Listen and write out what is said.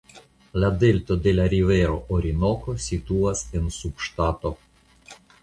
La delto de la rivero Orinoko situas en la subŝtato.